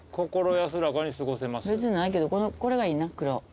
別にないけどこれがいいな黒。